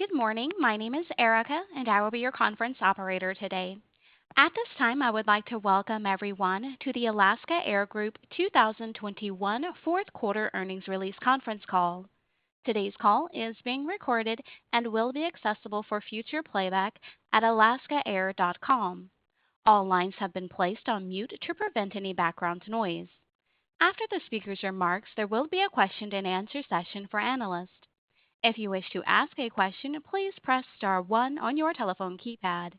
Good morning. My name is Erica, and I will be your conference operator today. At this time, I would like to welcome everyone to the Alaska Air Group 2021 fourth quarter earnings release conference call. Today's call is being recorded and will be accessible for future playback at alaskaair.com. All lines have been placed on mute to prevent any background noise. After the speaker's remarks, there will be a question-and-answer session for analysts. If you wish to ask a question, please press star one on your telephone keypad.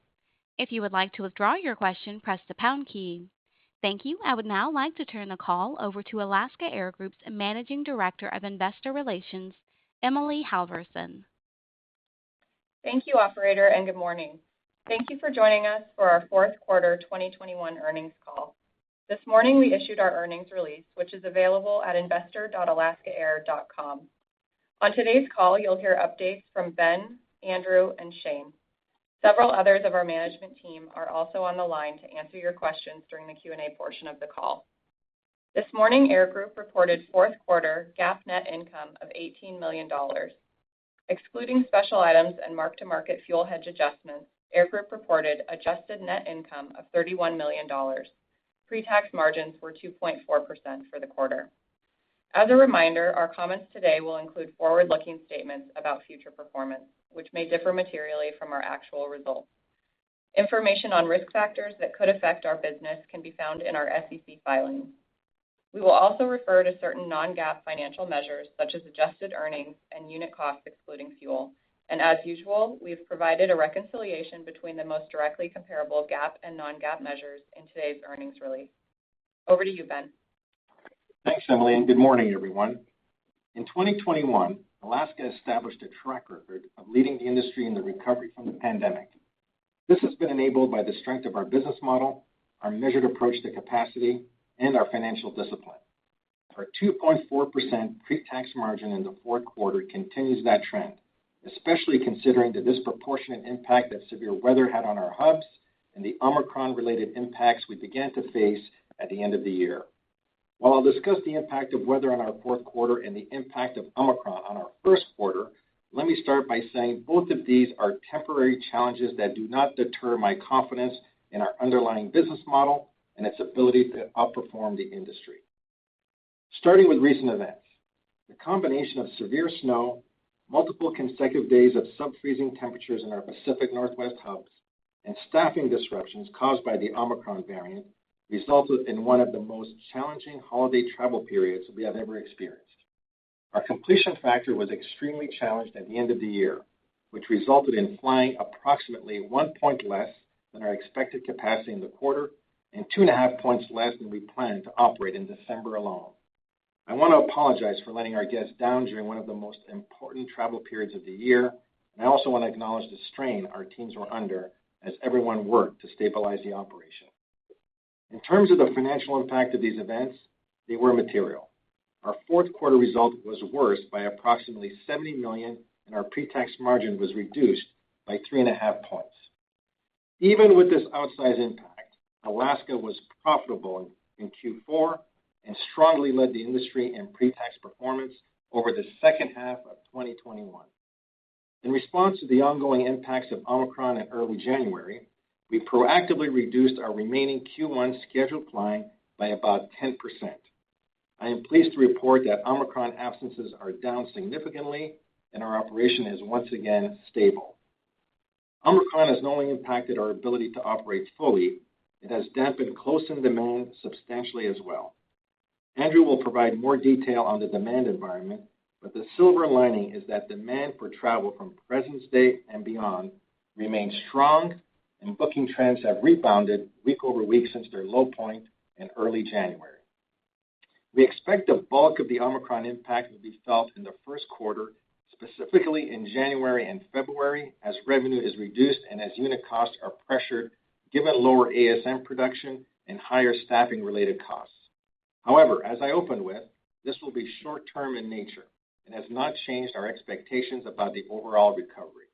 If you would like to withdraw your question, press the pound key. Thank you. I would now like to turn the call over to Alaska Air Group's Managing Director of Investor Relations, Emily Halverson. Thank you, operator, and good morning. Thank you for joining us for our fourth quarter 2021 earnings call. This morning, we issued our earnings release, which is available at investor.alaskaair.com. On today's call, you'll hear updates from Ben, Andrew, and Shane. Several others of our management team are also on the line to answer your questions during the Q&A portion of the call. This morning, Air Group reported fourth quarter GAAP net income of $18 million. Excluding special items and mark-to-market fuel hedge adjustments, Air Group reported adjusted net income of $31 million. Pre-tax margins were 2.4% for the quarter. As a reminder, our comments today will include forward-looking statements about future performance, which may differ materially from our actual results. Information on risk factors that could affect our business can be found in our SEC filings. We will also refer to certain non-GAAP financial measures, such as adjusted earnings and unit costs excluding fuel. As usual, we've provided a reconciliation between the most directly comparable GAAP and non-GAAP measures in today's earnings release. Over to you, Ben. Thanks, Emily, and good morning, everyone. In 2021, Alaska established a track record of leading the industry in the recovery from the pandemic. This has been enabled by the strength of our business model, our measured approach to capacity, and our financial discipline. Our 2.4% pre-tax margin in the fourth quarter continues that trend, especially considering the disproportionate impact that severe weather had on our hubs and the Omicron-related impacts we began to face at the end of the year. While I'll discuss the impact of weather on our fourth quarter and the impact of Omicron on our first quarter, let me start by saying both of these are temporary challenges that do not deter my confidence in our underlying business model and its ability to outperform the industry. Starting with recent events, the combination of severe snow, multiple consecutive days of subfreezing temperatures in our Pacific Northwest hubs, and staffing disruptions caused by the Omicron variant resulted in one of the most challenging holiday travel periods we have ever experienced. Our completion factor was extremely challenged at the end of the year, which resulted in flying approximately 1 point less than our expected capacity in the quarter and 2.5 points less than we planned to operate in December alone. I want to apologize for letting our guests down during one of the most important travel periods of the year. I also want to acknowledge the strain our teams were under as everyone worked to stabilize the operation. In terms of the financial impact of these events, they were material. Our fourth quarter result was worse by approximately $70 million, and our pre-tax margin was reduced by 3.5 points. Even with this outsized impact, Alaska was profitable in Q4 and strongly led the industry in pre-tax performance over the second half of 2021. In response to the ongoing impacts of Omicron in early January, we proactively reduced our remaining Q1 scheduled flying by about 10%. I am pleased to report that Omicron absences are down significantly and our operation is once again stable. Omicron has not only impacted our ability to operate fully, it has dampened close-in demand substantially as well. Andrew will provide more detail on the demand environment, but the silver lining is that demand for travel from the West Coast and beyond remains strong and booking trends have rebounded week-over-week since their low point in early January. We expect the bulk of the Omicron impact will be felt in the first quarter, specifically in January and February, as revenue is reduced and as unit costs are pressured given lower ASM production and higher staffing-related costs. However, as I opened with, this will be short-term in nature and has not changed our expectations about the overall recovery.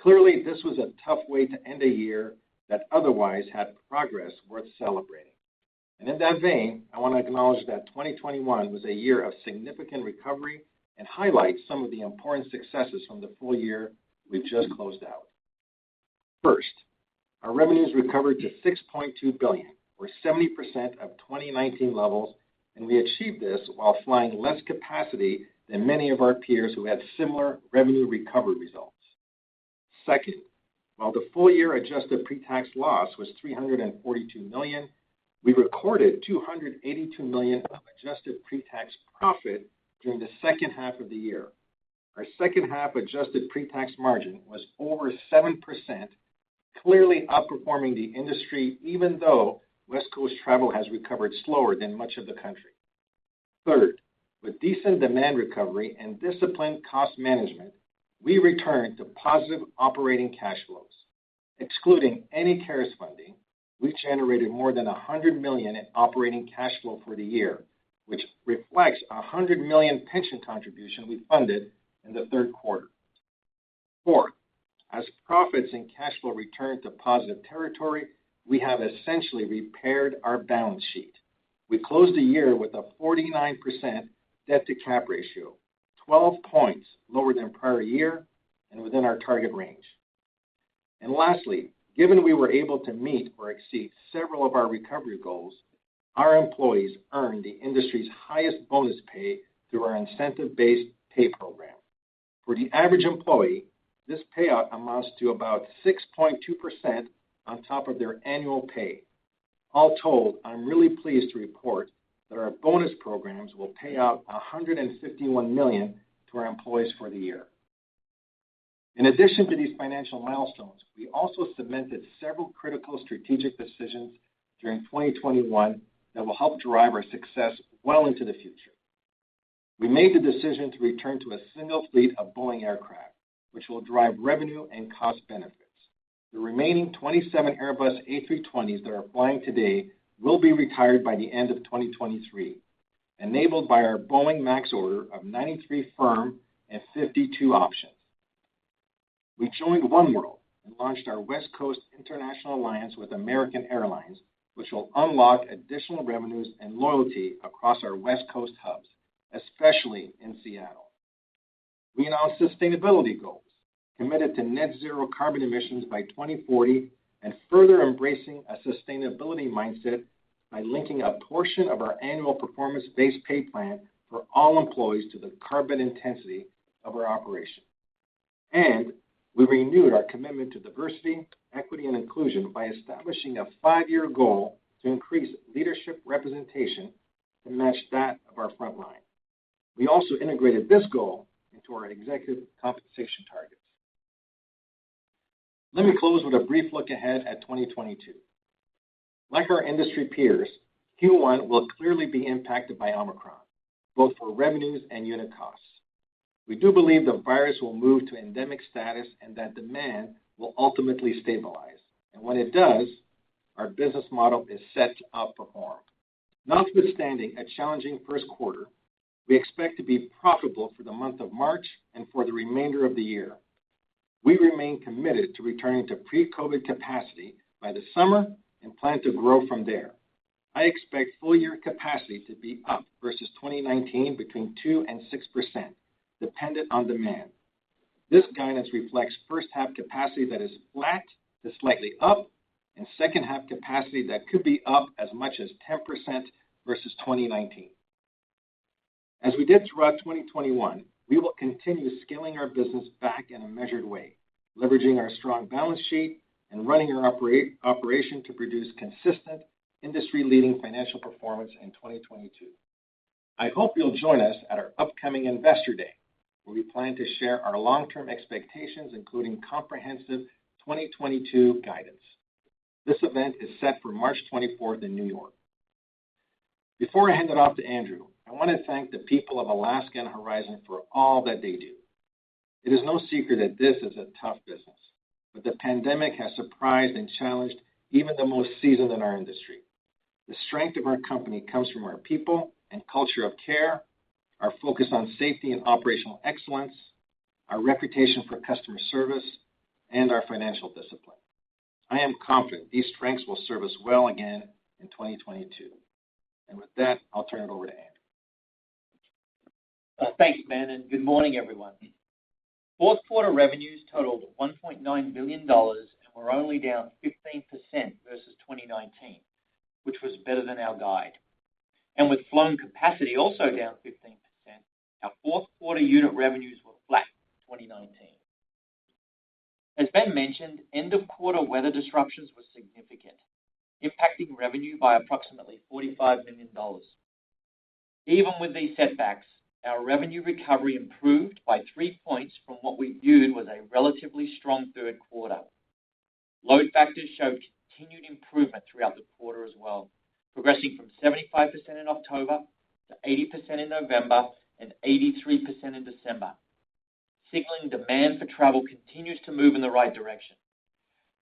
Clearly, this was a tough way to end a year that otherwise had progress worth celebrating. In that vein, I want to acknowledge that 2021 was a year of significant recovery and highlight some of the important successes from the full year we just closed out. First, our revenues recovered to $6.2 billion or 70% of 2019 levels, and we achieved this while flying less capacity than many of our peers who had similar revenue recovery results. Second, while the full year adjusted pre-tax loss was $342 million, we recorded $282 million of adjusted pre-tax profit during the second half of the year. Our second half adjusted pre-tax margin was over 7%, clearly outperforming the industry even though West Coast travel has recovered slower than much of the country. Third, with decent demand recovery and disciplined cost management, we returned to positive operating cash flows. Excluding any CARES funding, we generated more than $100 million in operating cash flow for the year, which reflects a $100 million pension contribution we funded in the third quarter. Fourth, as profits and cash flow return to positive territory, we have essentially repaired our balance sheet. We closed the year with a 49% debt to cap ratio, 12 points lower than prior year and within our target range. Lastly, given we were able to meet or exceed several of our recovery goals, our employees earned the industry's highest bonus pay through our incentive-based pay program. For the average employee, this payout amounts to about 6.2% on top of their annual pay. All told, I'm really pleased to report that our bonus programs will pay out $151 million to our employees for the year. In addition to these financial milestones, we also cemented several critical strategic decisions during 2021 that will help drive our success well into the future. We made the decision to return to a single fleet of Boeing aircraft, which will drive revenue and cost benefits. The remaining 27 Airbus A320s that are flying today will be retired by the end of 2023, enabled by our Boeing MAX order of 93 firm and 52 options. We joined oneworld and launched our West Coast international alliance with American Airlines, which will unlock additional revenues and loyalty across our West Coast hubs, especially in Seattle. We announced sustainability goals committed to net zero carbon emissions by 2040 and further embracing a sustainability mindset by linking a portion of our annual performance-based pay plan for all employees to the carbon intensity of our operation. We renewed our commitment to diversity, equity and inclusion by establishing a five-year goal to increase leadership representation and match that of our front line. We also integrated this goal into our executive compensation targets. Let me close with a brief look ahead at 2022. Like our industry peers, Q1 will clearly be impacted by Omicron, both for revenues and unit costs. We do believe the virus will move to endemic status and that demand will ultimately stabilize. When it does, our business model is set to outperform. Notwithstanding a challenging first quarter, we expect to be profitable for the month of March and for the remainder of the year. We remain committed to returning to pre-COVID capacity by the summer and plan to grow from there. I expect full year capacity to be up versus 2019 between 2% and 6% dependent on demand. This guidance reflects first half capacity that is flat to slightly up and second half capacity that could be up as much as 10% versus 2019. As we did throughout 2021, we will continue scaling our business back in a measured way, leveraging our strong balance sheet and running our operation to produce consistent industry-leading financial performance in 2022. I hope you'll join us at our upcoming Investor Day, where we plan to share our long-term expectations, including comprehensive 2022 guidance. This event is set for March 24 in New York. Before I hand it off to Andrew, I want to thank the people of Alaska and Horizon for all that they do. It is no secret that this is a tough business, but the pandemic has surprised and challenged even the most seasoned in our industry. The strength of our company comes from our people and culture of care, our focus on safety and operational excellence, our reputation for customer service, and our financial discipline. I am confident these strengths will serve us well again in 2022. With that, I'll turn it over to Andrew. Thanks, Ben, and good morning, everyone. Fourth quarter revenues totaled $1.9 billion and were only down 15% versus 2019, which was better than our guide. With flown capacity also down 15%, our fourth quarter unit revenues were flat in 2019. As Ben mentioned, end of quarter weather disruptions were significant, impacting revenue by approximately $45 million. Even with these setbacks, our revenue recovery improved by 3 points from what we viewed was a relatively strong third quarter. Load factors showed continued improvement throughout the quarter as well, progressing from 75% in October to 80% in November and 83% in December, signaling demand for travel continues to move in the right direction.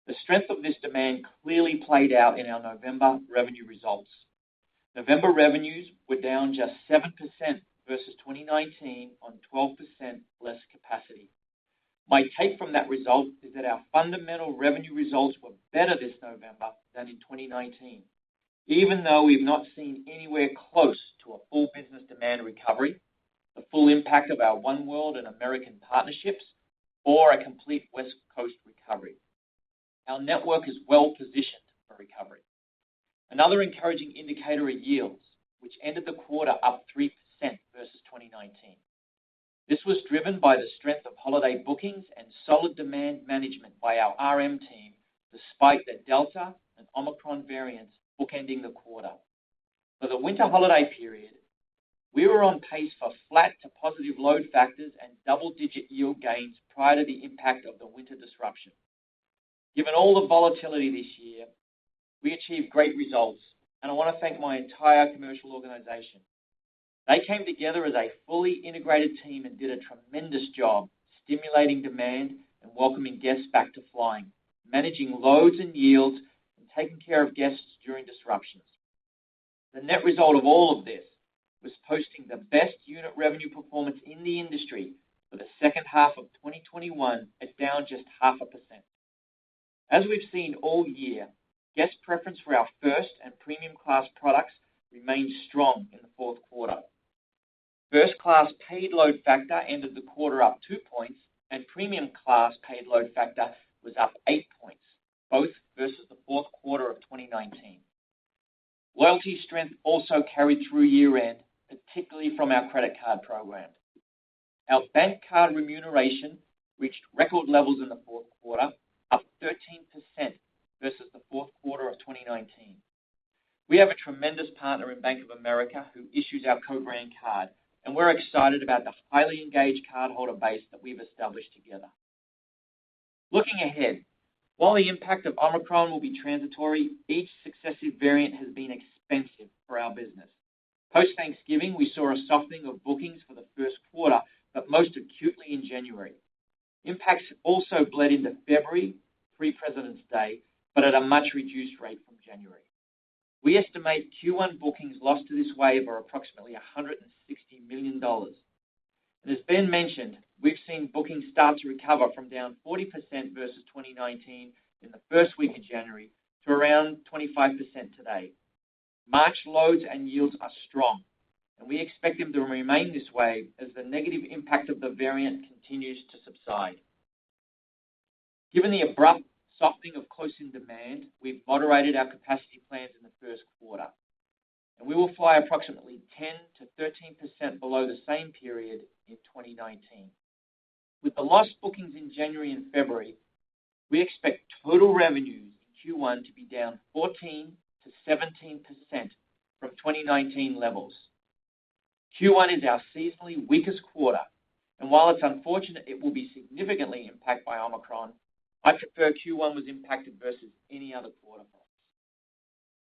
The strength of this demand clearly played out in our November revenue results. November revenues were down just 7% versus 2019 on 12% less capacity. My take from that result is that our fundamental revenue results were better this November than in 2019, even though we've not seen anywhere close to a full business demand recovery, the full impact of our oneworld and American partnerships or a complete West Coast recovery. Our network is well-positioned for recovery. Another encouraging indicator are yields which ended the quarter up 3% versus 2019. This was driven by the strength of holiday bookings and solid demand management by our RM team, despite the Delta and Omicron variants bookending the quarter. For the winter holiday period, we were on pace for flat to positive load factors and double-digit yield gains prior to the impact of the winter disruption. Given all the volatility this year, we achieved great results and I want to thank my entire commercial organization. They came together as a fully integrated team and did a tremendous job stimulating demand and welcoming guests back to flying, managing loads and yields, and taking care of guests during disruptions. The net result of all of this was posting the best unit revenue performance in the industry for the second half of 2021 down just 0.5%. As we've seen all year, guest preference for our first and premium class products remained strong in the fourth quarter. First class paid load factor ended the quarter up 2 points, and premium class paid load factor was up 8 points, both versus the fourth quarter of 2019. Loyalty strength also carried through year-end, particularly from our credit card program. Our bank card remuneration reached record levels in the fourth quarter, up 13% versus the fourth quarter of 2019. We have a tremendous partner in Bank of America who issues our co-brand card, and we're excited about the highly engaged cardholder base that we've established together. Looking ahead, while the impact of Omicron will be transitory, each successive variant has been expensive for our business. Post-Thanksgiving, we saw a softening of bookings for the first quarter, but most acutely in January. Impacts also bled into February, pre-President's Day, but at a much reduced rate from January. We estimate Q1 bookings lost to this wave are approximately $160 million. As Ben mentioned, we've seen bookings start to recover from down 40% versus 2019 in the first week of January to around 25% today. March loads and yields are strong, and we expect them to remain this way as the negative impact of the variant continues to subside. Given the abrupt softening of closing demand, we've moderated our capacity plans in the first quarter. We will fly approximately 10%-13% below the same period in 2019. With the lost bookings in January and February, we expect total revenues in Q1 to be down 14%-17% from 2019 levels. Q1 is our seasonally weakest quarter, and while it's unfortunate it will be significantly impacted by Omicron, I prefer Q1 was impacted versus any other quarter for us.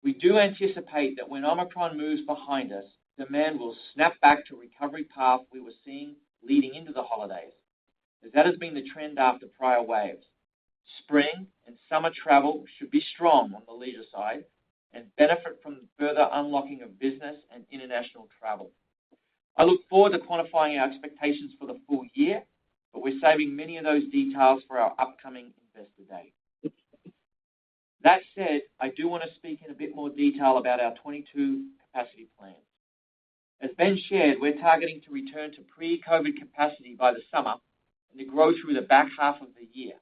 We do anticipate that when Omicron moves behind us, demand will snap back to recovery path we were seeing leading into the holidays, as that has been the trend after prior waves. Spring and summer travel should be strong on the leisure side and benefit from the further unlocking of business and international travel. I look forward to quantifying our expectations for the full year, but we're saving many of those details for our upcoming Investor Day. That said, I do want to speak in a bit more detail about our 2022 capacity plans. As Ben shared, we're targeting to return to pre-COVID capacity by the summer and to grow through the back half of the year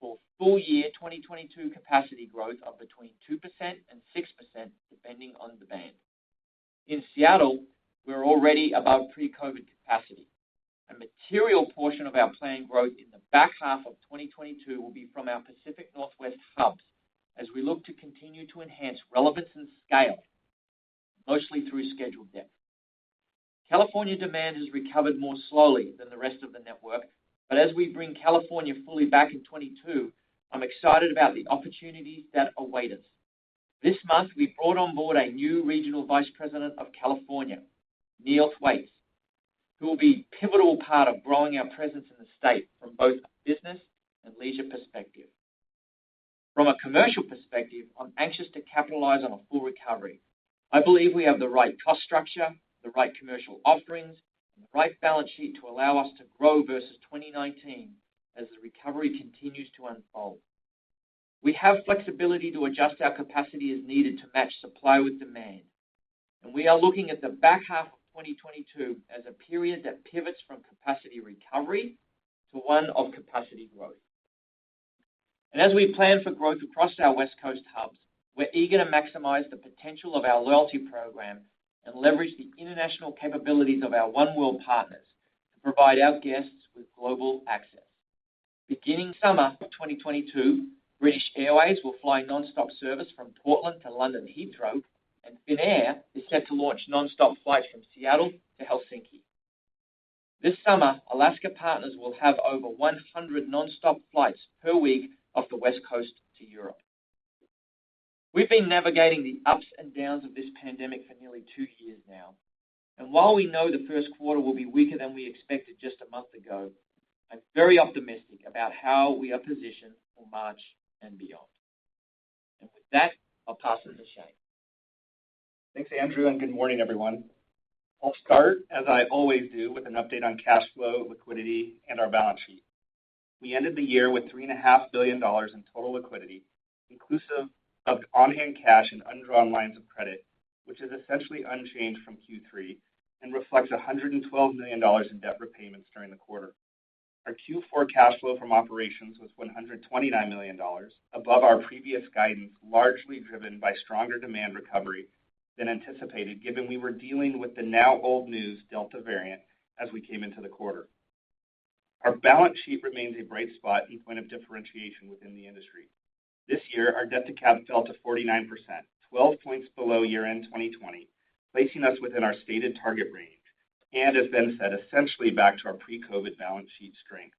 for full year 2022 capacity growth of between 2% and 6%, depending on demand. In Seattle, we're already above pre-COVID capacity. A material portion of our planned growth in the back half of 2022 will be from our Pacific Northwest hubs as we look to continue to enhance relevance and scale, mostly through scheduled depth. California demand has recovered more slowly than the rest of the network, but as we bring California fully back in 2022, I'm excited about the opportunities that await us. This month, we brought on board a new Regional Vice President of California, Neil Thwaites, who will be a pivotal part of growing our presence in the state from both a business and leisure perspective. From a commercial perspective, I'm anxious to capitalize on a full recovery. I believe we have the right cost structure, the right commercial offerings, and the right balance sheet to allow us to grow versus 2019 as the recovery continues to unfold. We have flexibility to adjust our capacity as needed to match supply with demand, and we are looking at the back half of 2022 as a period that pivots from capacity recovery to one of capacity growth. As we plan for growth across our West Coast hubs, we're eager to maximize the potential of our loyalty program and leverage the international capabilities of our oneworld partners to provide our guests with global access. Beginning summer of 2022, British Airways will fly nonstop service from Portland to London Heathrow, and Finnair is set to launch nonstop flights from Seattle to Helsinki. This summer, Alaska partners will have over 100 nonstop flights per week off the West Coast to Europe. We've been navigating the ups and downs of this pandemic for nearly two years now, and while we know the first quarter will be weaker than we expected just a month ago, I'm very optimistic about how we are positioned for March and beyond. With that, I'll pass it to Shane. Thanks, Andrew, and good morning, everyone. I'll start as I always do with an update on cash flow, liquidity, and our balance sheet. We ended the year with $3.5 billion in total liquidity, inclusive of on-hand cash and undrawn lines of credit, which is essentially unchanged from Q3 and reflects $112 million in debt repayments during the quarter. Our Q4 cash flow from operations was $129 million above our previous guidance, largely driven by stronger demand recovery than anticipated, given we were dealing with the now old news Delta variant as we came into the quarter. Our balance sheet remains a bright spot and point of differentiation within the industry. This year, our debt to cap fell to 49%, 12 points below year-end 2020, placing us within our stated target range and, as Ben said, essentially back to our pre-COVID balance sheet strength.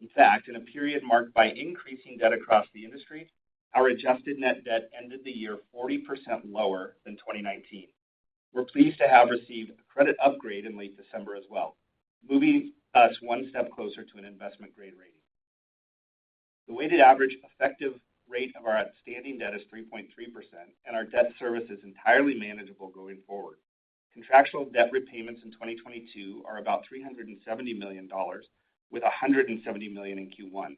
In fact, in a period marked by increasing debt across the industry, our adjusted net debt ended the year 40% lower than 2019. We're pleased to have received a credit upgrade in late December as well, moving us one step closer to an investment-grade rating. The weighted average effective rate of our outstanding debt is 3.3%, and our debt service is entirely manageable going forward. Contractual debt repayments in 2022 are about $370 million, with $170 million in Q1.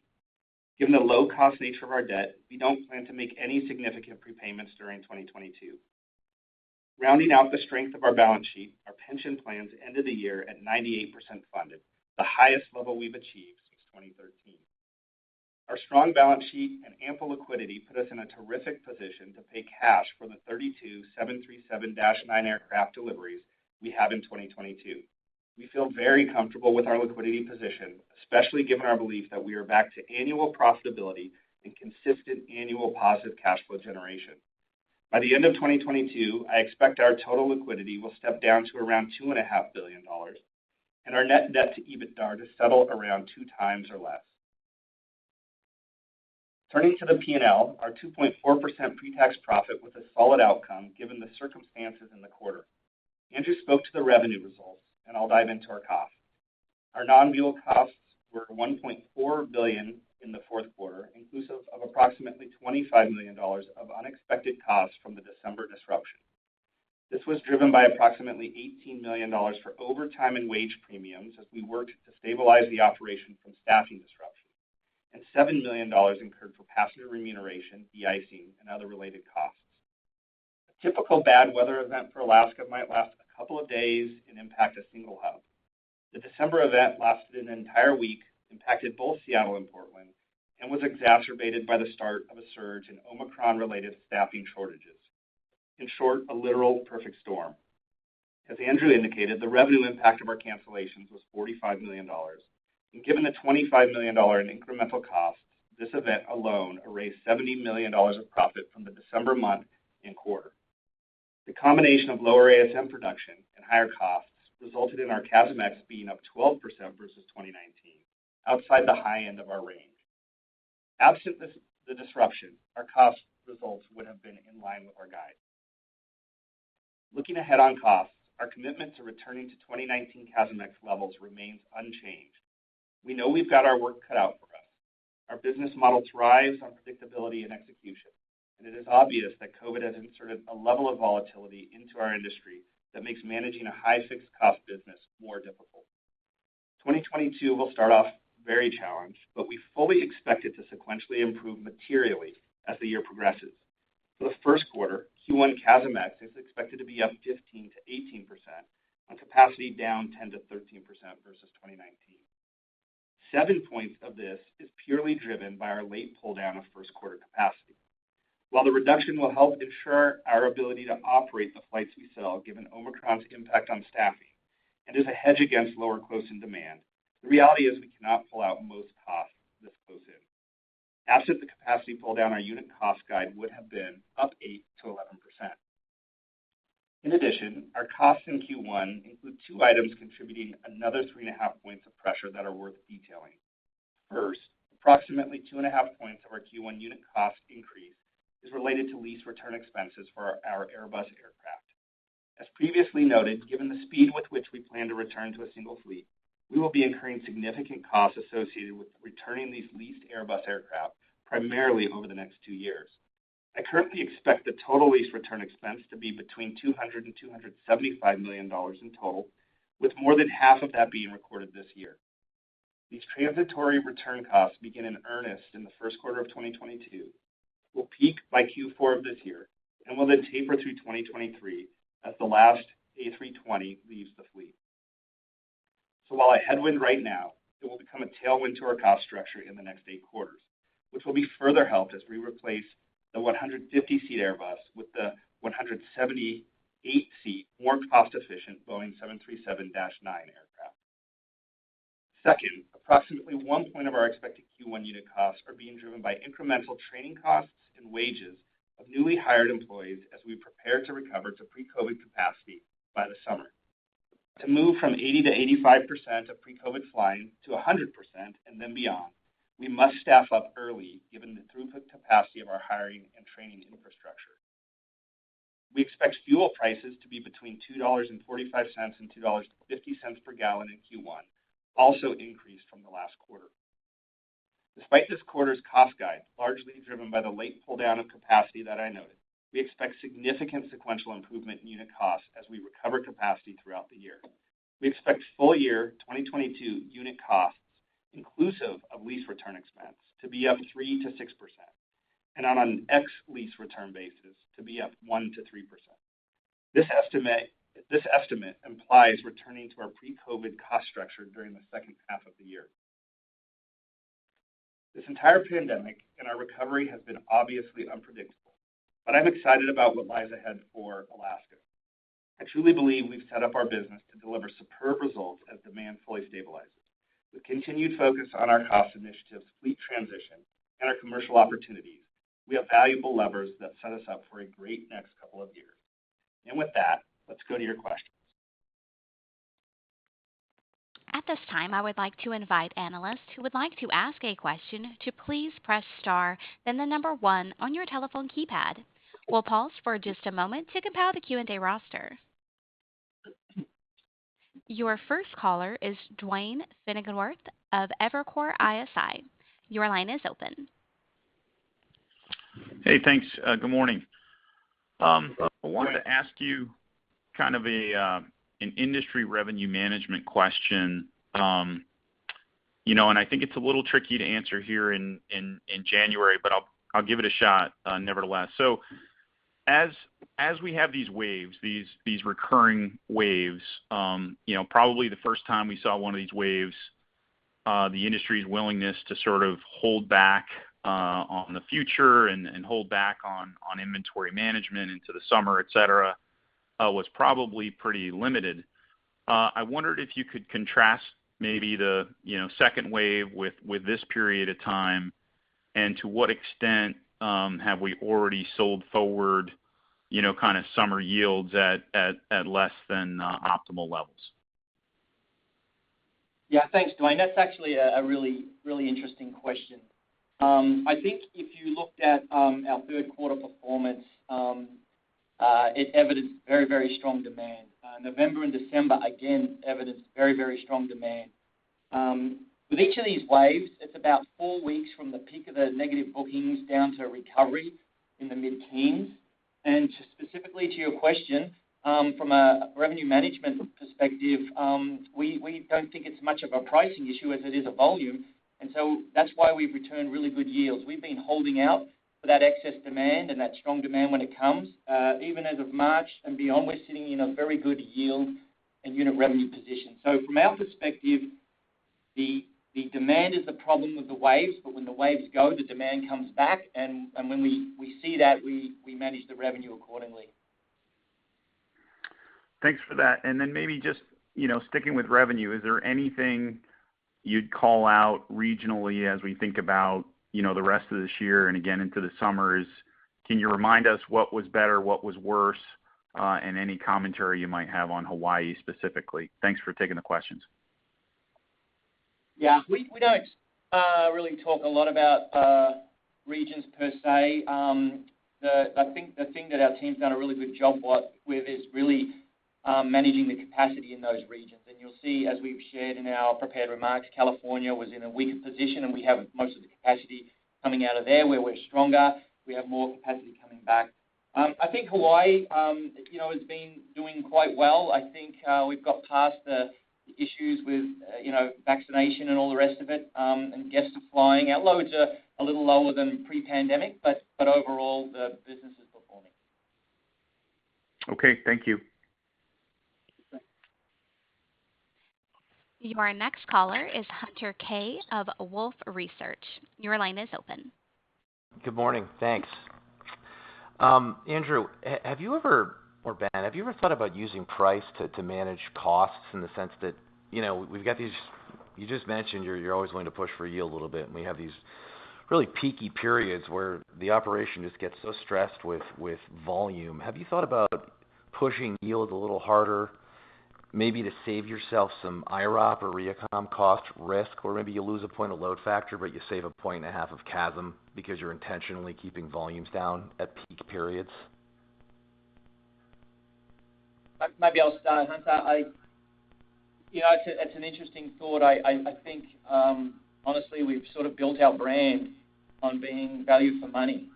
Given the low-cost nature of our debt, we don't plan to make any significant prepayments during 2022. Rounding out the strength of our balance sheet, our pension plans ended the year at 98% funded, the highest level we've achieved since 2013. Our strong balance sheet and ample liquidity put us in a terrific position to pay cash for the 32 737-9 aircraft deliveries we have in 2022. We feel very comfortable with our liquidity position, especially given our belief that we are back to annual profitability and consistent annual positive cash flow generation. By the end of 2022, I expect our total liquidity will step down to around $2.5 billion and our net debt to EBITDA to settle around 2x or less. Turning to the P&L, our 2.4% pretax profit was a solid outcome given the circumstances in the quarter. Andrew spoke to the revenue results, and I'll dive into our costs. Our non-fuel costs were $1.4 billion in the fourth quarter, inclusive of approximately $25 million of unexpected costs from the December disruption. This was driven by approximately $18 million for overtime and wage premiums as we worked to stabilize the operation from staffing disruptions, and $7 million incurred for passenger remuneration, de-icing, and other related costs. A typical bad weather event for Alaska might last a couple of days and impact a single hub. The December event lasted an entire week, impacted both Seattle and Portland, and was exacerbated by the start of a surge in Omicron-related staffing shortages. In short, a literal perfect storm. As Andrew indicated, the revenue impact of our cancellations was $45 million. Given the $25 million in incremental costs, this event alone erased $70 million of profit from the December month and quarter. The combination of lower ASM production and higher costs resulted in our CASM-ex being up 12% versus 2019, outside the high end of our range. Absent this disruption, our cost results would have been in line with our guide. Looking ahead on costs, our commitment to returning to 2019 CASM-ex levels remains unchanged. We know we've got our work cut out for us. Our business model thrives on predictability and execution, and it is obvious that COVID has inserted a level of volatility into our industry that makes managing a high fixed cost business more difficult. 2022 will start off very challenged, but we fully expect it to sequentially improve materially as the year progresses. For the first quarter, Q1 CASM-ex is expected to be up 15%-18% on capacity down 10%-13% versus 2019. Seven points of this is purely driven by our late pull-down of first quarter capacity. While the reduction will help ensure our ability to operate the flights we sell, given Omicron's impact on staffing and as a hedge against lower closing demand, the reality is we cannot pull out most costs this close in. Absent the capacity pull-down, our unit cost guide would have been up 8%-11%. In addition, our costs in Q1 include two items contributing another 3.5 points of pressure that are worth detailing. First, approximately 2.5 points of our Q1 unit cost increase is related to lease return expenses for our Airbus aircraft. As previously noted, given the speed with which we plan to return to a single fleet, we will be incurring significant costs associated with returning these leased Airbus aircraft primarily over the next two years. I currently expect the total lease return expense to be between $200 million and $275 million in total, with more than half of that being recorded this year. These transitory return costs begin in earnest in the first quarter of 2022, will peak by Q4 of this year, and will then taper through 2023 as the last A320 leaves the fleet. While a headwind right now, it will become a tailwind to our cost structure in the next eight quarters, which will be further helped as we replace the 150-seat Airbus with the 178-seat, more cost-efficient Boeing 737-9 aircraft. Second, approximately one point of our expected Q1 unit costs are being driven by incremental training costs and wages of newly hired employees as we prepare to recover to pre-COVID capacity by the summer. To move from 80%-85% of pre-COVID flying to 100% and then beyond, we must staff up early given the throughput capacity of our hiring and training infrastructure. We expect fuel prices to be between $2.45 and $2.50 per gallon in Q1, also increased from the last quarter. Despite this quarter's cost guide, largely driven by the late pull-down of capacity that I noted, we expect significant sequential improvement in unit costs as we recover capacity throughout the year. We expect full year 2022 unit costs, inclusive of lease return expense, to be up 3%-6%, and on an ex-lease return basis, to be up 1%-3%. This estimate implies returning to our pre-COVID cost structure during the second half of the year. This entire pandemic and our recovery has been obviously unpredictable, but I'm excited about what lies ahead for Alaska. I truly believe we've set up our business to deliver superb results as demand fully stabilizes. With continued focus on our cost initiatives, fleet transition, and our commercial opportunities, we have valuable levers that set us up for a great next couple of years. With that, let's go to your questions. At this time, I would like to invite analysts who would like to ask a question to please press star, then one on your telephone keypad. We'll pause for just a moment to compile the Q&A roster. Your first caller is Duane Pfennigwerth of Evercore ISI. Your line is open. Hey, thanks. Good morning. I wanted to ask you kind of an industry revenue management question. You know, and I think it's a little tricky to answer here in January, but I'll give it a shot nevertheless. As we have these waves, these recurring waves, you know, probably the first time we saw one of these waves, the industry's willingness to sort of hold back on the future and hold back on inventory management into the summer, et cetera, was probably pretty limited. I wondered if you could contrast maybe the second wave with this period of time, and to what extent have we already sold forward, you know, kind of summer yields at less than optimal levels? Yeah. Thanks, Duane. That's actually a really interesting question. I think if you looked at our third quarter performance, it evidenced very strong demand. November and December, again, evidenced very strong demand. With each of these waves, it's about four weeks from the peak of the negative bookings down to a recovery in the mid-teens. Specifically to your question, from a revenue management perspective, we don't think it's much of a pricing issue as it is a volume, and so that's why we've returned really good yields. We've been holding out for that excess demand and that strong demand when it comes. Even as of March and beyond, we're sitting in a very good yield and unit revenue position. From our perspective, the demand is the problem with the waves, but when the waves go, the demand comes back, and when we see that, we manage the revenue accordingly. Thanks for that. Maybe just, you know, sticking with revenue, is there anything you'd call out regionally as we think about, you know, the rest of this year and again into the summers? Can you remind us what was better, what was worse, and any commentary you might have on Hawaii specifically? Thanks for taking the questions. Yeah. We don't really talk a lot about regions per se. I think the thing that our team's done a really good job with is really managing the capacity in those regions. You'll see, as we've shared in our prepared remarks, California was in a weaker position, and we have most of the capacity coming out of there where we're stronger. We have more capacity coming back. I think Hawaii you know has been doing quite well. I think we've got past the issues with you know vaccination and all the rest of it and guests are flying. Our loads are a little lower than pre-pandemic, but overall, the business is performing. Okay. Thank you. Our next caller is Hunter Keay of Wolfe Research. Your line is open. Good morning. Thanks. Andrew, have you ever or Ben, have you ever thought about using price to manage costs in the sense that, you know, we've got these. You just mentioned you're always willing to push for yield a little bit, and we have these really peaky periods where the operation just gets so stressed with volume. Have you thought about pushing yields a little harder maybe to save yourself some IROP or reaccom cost risk? Or maybe you lose a point of load factor, but you save a point and a half of CASM because you're intentionally keeping volumes down at peak periods. Maybe I'll start, Hunter. You know, it's an interesting thought. I think, honestly, we've sort of built our brand on being value for money.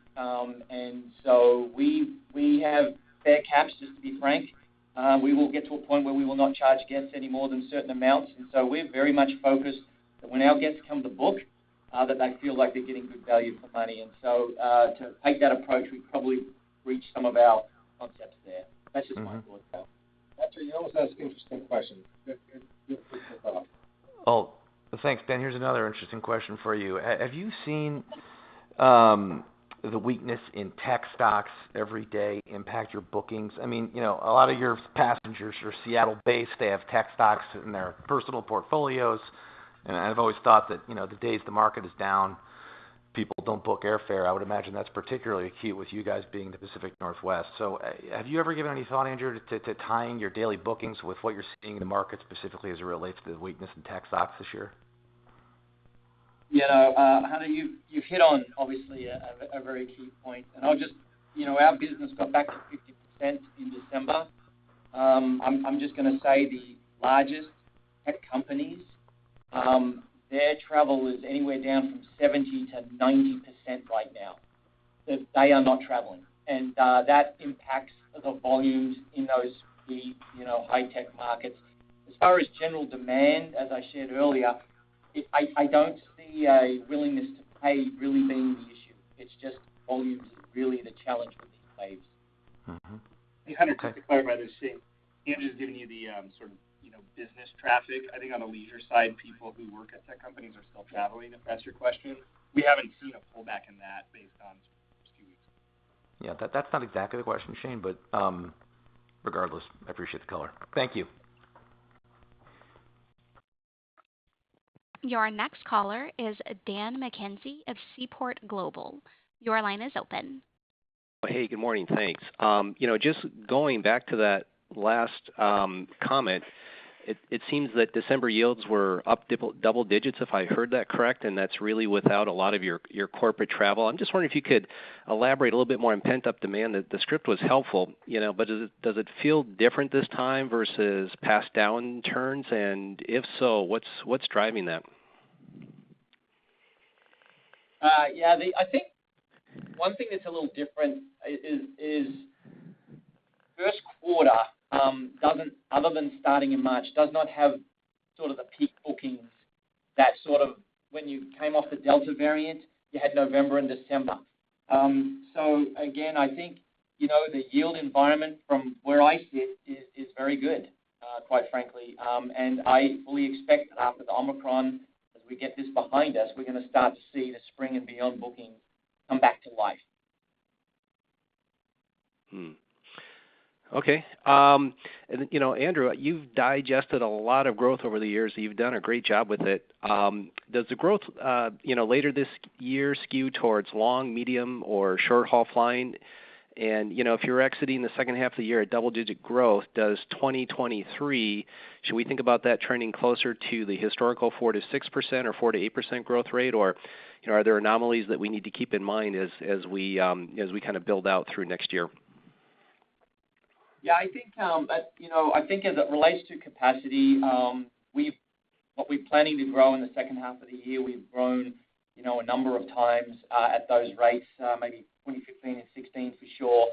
We have fare caps, just to be frank. We will get to a point where we will not charge guests any more than certain amounts. We're very much focused that when our guests come to book, that they feel like they're getting good value for money. To take that approach, we'd probably breach some of our concepts there. That's just my thought. Hunter, you always ask interesting questions. You're Oh, thanks, Ben. Here's another interesting question for you. Have you seen the weakness in tech stocks every day impact your bookings? I mean, you know, a lot of your passengers are Seattle-based. They have tech stocks in their personal portfolios. I've always thought that, you know, the days the market is down, people don't book airfare. I would imagine that's particularly key with you guys being in the Pacific Northwest. Have you ever given any thought, Andrew, to tying your daily bookings with what you're seeing in the market specifically as it relates to the weakness in tech stocks this year? Yeah. Hunter, you've hit on obviously a very key point. I'll just—you know, our business got back to 50% in December. I'm just gonna say the largest tech companies, their travel is anywhere down from 70%-90% right now, that they are not traveling. That impacts the volumes in those key, you know, high tech markets. As far as general demand, as I shared earlier, I don't see a willingness to pay really being the issue. It's just volume is really the challenge with these waves. Okay. Hunter, just to clarify what I see, Andrew's giving you the sort of business traffic. I think on the leisure side, people who work at tech companies are still traveling, if that's your question. We haven't seen a pullback in that based on just two weeks. Yeah. That's not exactly the question, Shane, but, regardless, I appreciate the color. Thank you. Your next caller is Dan McKenzie of Seaport Global. Your line is open. Hey. Good morning. Thanks. You know, just going back to that last comment, it seems that December yields were up double digits, if I heard that correctly, and that's really without a lot of your corporate travel. I'm just wondering if you could elaborate a little bit more on pent-up demand. The script was helpful, you know, but does it feel different this time versus past downturns? If so, what's driving that? I think one thing that's a little different is first quarter, other than starting in March, does not have sort of the peak bookings that sort of when you came off the Delta variant, you had November and December. Again, I think, you know, the yield environment from where I sit is very good, quite frankly. I fully expect that after the Omicron, as we get this behind us, we're gonna start to see the spring and beyond booking come back to life. Okay. You know, Andrew, you've digested a lot of growth over the years. You've done a great job with it. Does the growth, you know, later this year skew towards long, medium or short-haul flying? You know, if you're exiting the second half of the year at double-digit growth, does 2023, should we think about that trending closer to the historical 4%-6% or 4%-8% growth rate? You know, are there anomalies that we need to keep in mind as we kind of build out through next year? Yeah, I think you know, I think as it relates to capacity, what we're planning to grow in the second half of the year, we've grown a number of times at those rates, maybe 2015 and 2016 for sure.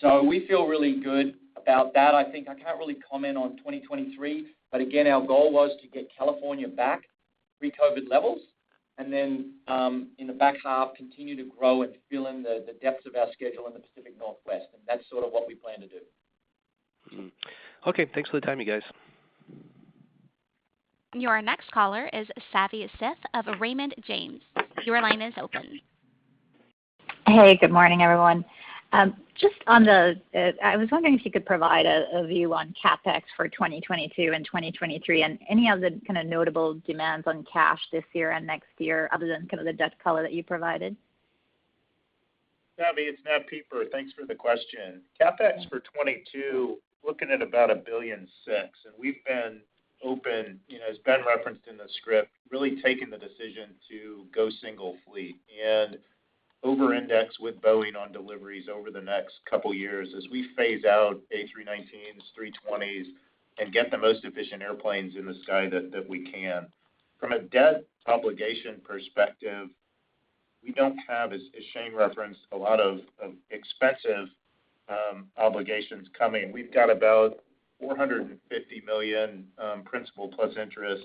So we feel really good about that. I think I can't really comment on 2023, but again, our goal was to get California back pre-COVID levels and then in the back half continue to grow and fill in the depths of our schedule in the Pacific Northwest. That's sort of what we plan to do. Okay. Thanks for the time, you guys. Your next caller is Savanthi Syth of Raymond James. Your line is open. Hey, good morning, everyone. Just on the, I was wondering if you could provide a view on CapEx for 2022 and 2023 and any other kind of notable demands on cash this year and next year other than kind of the debt color that you provided. Savi, it's Nat Pieper. Thanks for the question. CapEx for 2022, looking at about $1.6 billion. We've been open, you know, as Ben referenced in the script, really taking the decision to go single fleet and over-index with Boeing on deliveries over the next couple years as we phase out A319s, A320s and get the most efficient airplanes in the sky that we can. From a debt obligation perspective, we don't have, as Shane referenced, a lot of expensive obligations coming. We've got about $450 million principal plus interest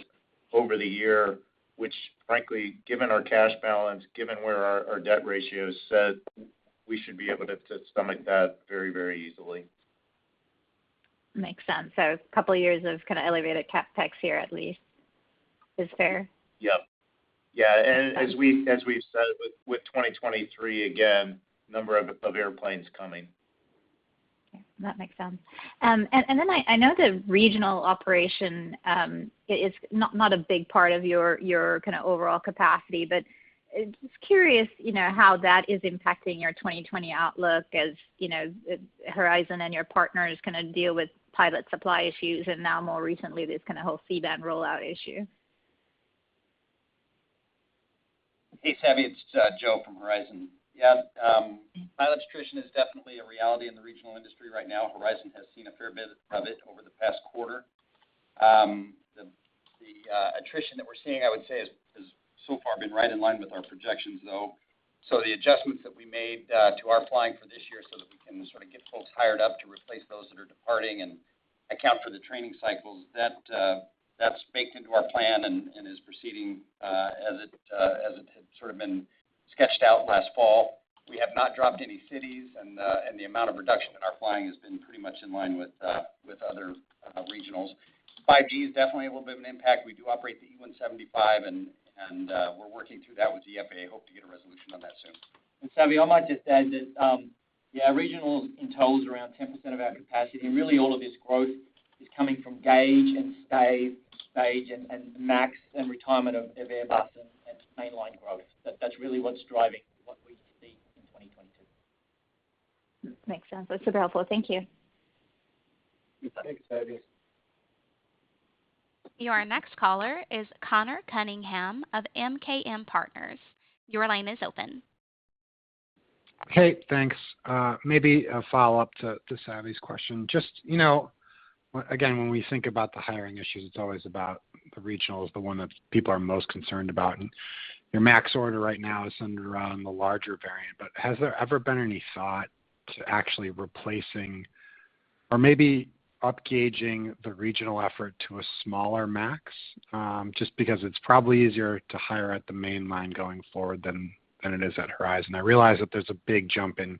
over the year, which frankly, given our cash balance, given where our debt ratio sit, we should be able to stomach that very, very easily. Makes sense. A couple of years of kind of elevated CapEx here at least is fair. Yep. Yeah. As we've said with 2023, again, number of airplanes coming. Okay. That makes sense. I know the regional operation is not a big part of your kind of overall capacity, but just curious, you know, how that is impacting your 2020 outlook, you know, as Horizon and your partners kind of deal with pilot supply issues and now more recently, this kind of whole C-Band rollout issue. Hey, Savi. It's Joe from Horizon. Yeah. Pilot attrition is definitely a reality in the regional industry right now. Horizon has seen a fair bit of it over the past quarter. The attrition that we're seeing, I would say has so far been right in line with our projections, though. The adjustments that we made to our flying for this year so that we can sort of get folks hired up to replace those that are departing and account for the training cycles, that's baked into our plan and is proceeding as it had sort of been sketched out last fall. We have not dropped any cities and the amount of reduction in our flying has been pretty much in line with other regionals. 5G is definitely a little bit of an impact. We do operate the E175 and we're working through that with the FAA. Hope to get a resolution on that soon. Savi, I might just add that regionals around 10% of our capacity and really all of this growth is coming from gauge and stage and MAX and retirement of Airbus and mainline growth. That's really what's driving what we see in 2022. Makes sense. That's super helpful. Thank you. Thanks, Savi. Your next caller is Conor Cunningham of MKM Partners. Your line is open. Hey, thanks. Maybe a follow-up to Savi's question. Just, you know, again, when we think about the hiring issues, it's always about the regionals, the one that people are most concerned about. Your MAX order right now is centered around the larger variant. Has there ever been any thought to actually replacing or maybe upgauging the regional effort to a smaller MAX? Just because it's probably easier to hire at the mainline going forward than it is at Horizon. I realize that there's a big jump in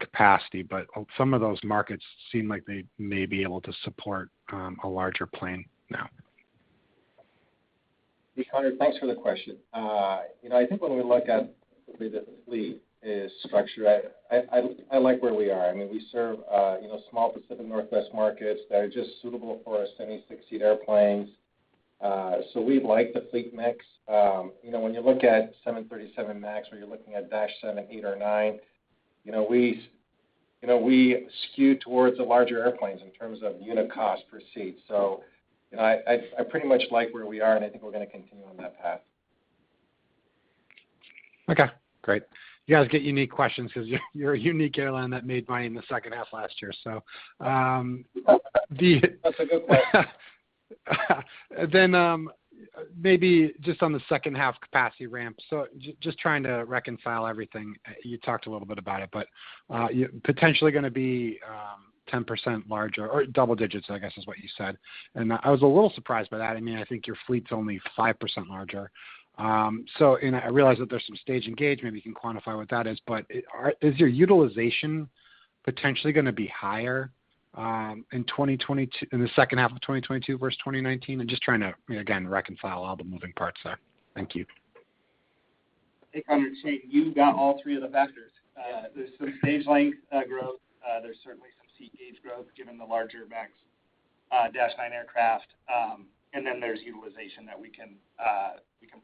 capacity, but some of those markets seem like they may be able to support a larger plane now. Hey, Connor. Thanks for the question. You know, I think when we look at the way the fleet is structured, I like where we are. I mean, we serve you know, small Pacific Northwest markets that are just suitable for our 76-seat airplanes. So we like the fleet mix. You know, when you look at 737 MAX or you're looking at dash seven, eight or nine, you know, we skew towards the larger airplanes in terms of unit cost per seat. So, you know, I pretty much like where we are, and I think we're gonna continue on that path. Okay, great. You guys get unique questions because you're a unique airline that made money in the second half last year. That's a good point. Maybe just on the second half capacity ramp. Just trying to reconcile everything. You talked a little bit about it, but you're potentially gonna be 10% larger or double digits, I guess, is what you said. I was a little surprised by that. I mean, I think your fleet's only 5% larger. I realize that there's some stage engagement, maybe you can quantify what that is. Is your utilization potentially gonna be higher in the second half of 2022 versus 2019? I'm just trying to, again, reconcile all the moving parts there. Thank you. Hey, Connor, it's Shane. You got all three of the factors. There's some stage length growth. There's certainly some seat gauge growth, given the larger MAX dash nine aircraft. There's utilization that we can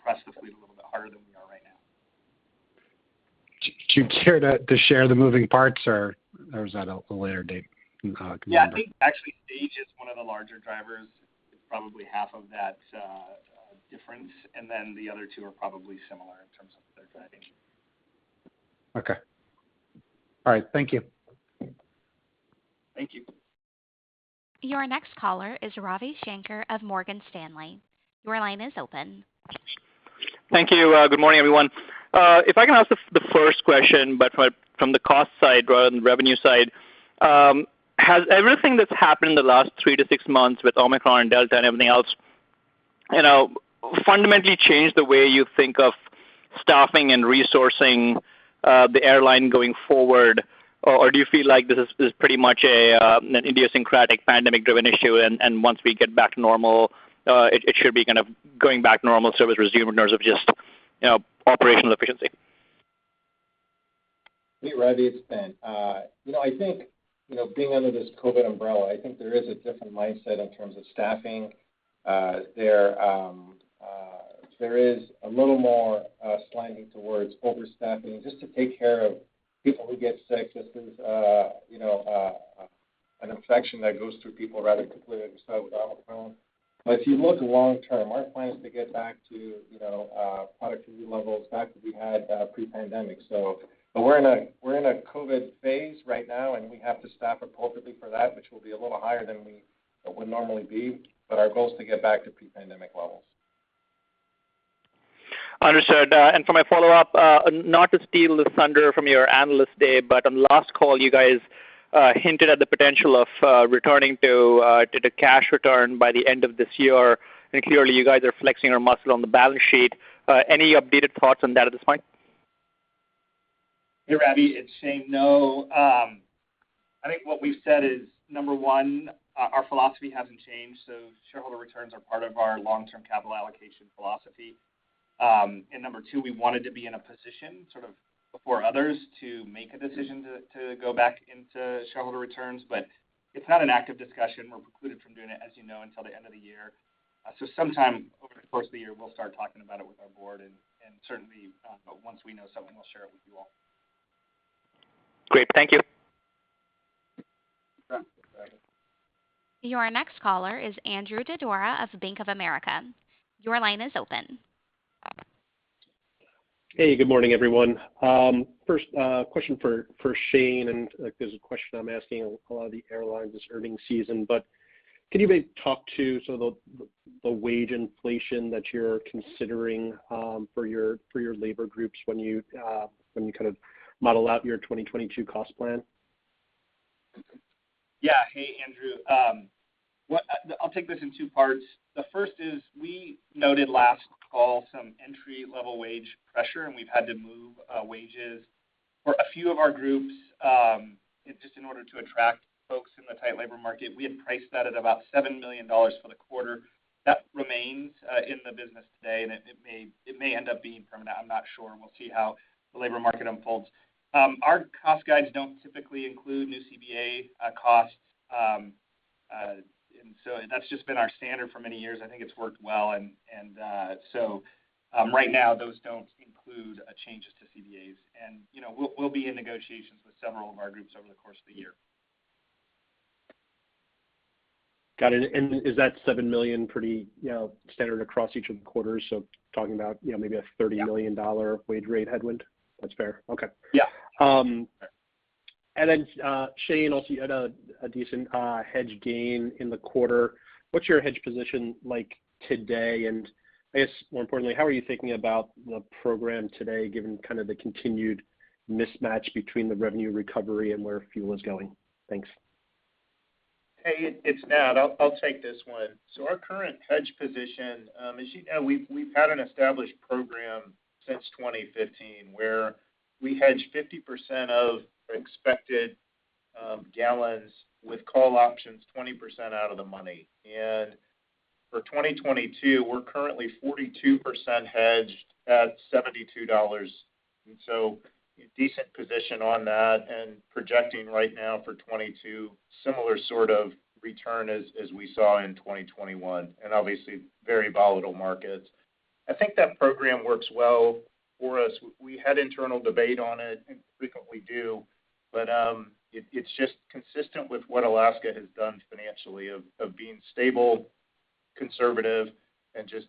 press the fleet a little bit harder than we are right now. Do you care to share the moving parts, or is that a later date you can- Yeah. I think actually stage is one of the larger drivers. It's probably half of that, difference. The other two are probably similar in terms of their driving. Okay. All right. Thank you. Thank you. Your next caller is Ravi Shanker of Morgan Stanley. Your line is open. Thank you. Good morning, everyone. If I can ask the first question, but from the cost side rather than revenue side, has everything that's happened in the last 3-6 months with Omicron, Delta and everything else, you know, fundamentally changed the way you think of staffing and resourcing the airline going forward? Or do you feel like this is pretty much an idiosyncratic pandemic-driven issue, and once we get back to normal, it should be kind of going back normal service resume in terms of just, you know, operational efficiency. Hey, Ravi, it's Ben. You know, I think, you know, being under this COVID umbrella, I think there is a different mindset in terms of staffing. There is a little more sliding towards overstaffing just to take care of people who get sick. This is, you know, an infection that goes through people rather quickly, as we saw with Omicron. If you look long term, our plan is to get back to, you know, productivity levels back that we had pre-pandemic. We're in a COVID phase right now, and we have to staff appropriately for that, which will be a little higher than we would normally be. Our goal is to get back to pre-pandemic levels. Understood. For my follow-up, not to steal the thunder from your Analyst Day, but on last call, you guys hinted at the potential of returning to the cash return by the end of this year. Clearly, you guys are flexing your muscle on the balance sheet. Any updated thoughts on that at this point? Hey, Ravi, it's Shane. I think what we've said is, number one, our philosophy hasn't changed, so shareholder returns are part of our long-term capital allocation philosophy. Number two, we wanted to be in a position sort of before others to make a decision to go back into shareholder returns. It's not an active discussion. We're precluded from doing it, as you know, until the end of the year. Sometime over the course of the year, we'll start talking about it with our board, and certainly, once we know something, we'll share it with you all. Great. Thank you. Thanks, Ravi. Your next caller is Andrew Didora of Bank of America. Your line is open. Hey, good morning, everyone. First question for Shane, and this is a question I'm asking a lot of the airlines this earnings season. Can you maybe talk to sort of the wage inflation that you're considering for your labor groups when you kind of model out your 2022 cost plan? Yeah. Hey, Andrew. I'll take this in two parts. The first is we noted last call some entry-level wage pressure, and we've had to move wages for a few of our groups just in order to attract folks in the tight labor market. We had priced that at about $7 million for the quarter. That remains in the business today, and it may end up being permanent. I'm not sure, and we'll see how the labor market unfolds. Our cost guides don't typically include new CBA costs. That's just been our standard for many years. I think it's worked well. Right now those don't include changes to CBAs. You know, we'll be in negotiations with several of our groups over the course of the year. Got it. Is that 7 million pretty, you know, standard across each of the quarters? Talking about, you know, maybe a $30 million wage rate headwind. Yeah. That's fair. Okay. Yeah. Shane, also you had a decent hedge gain in the quarter. What's your hedge position like today? I guess more importantly, how are you thinking about the program today, given kind of the continued mismatch between the revenue recovery and where fuel is going? Thanks. It's Ben. I'll take this one. Our current hedge position, as you know, we've had an established program since 2015 where we hedge 50% of expected gallons with call options 20% out of the money. For 2022, we're currently 42% hedged at $72. A decent position on that and projecting right now for 2022, similar sort of return as we saw in 2021, and obviously very volatile markets. I think that program works well for us. We had internal debate on it, and frequently do, but it's just consistent with what Alaska has done financially of being stable. Conservative and just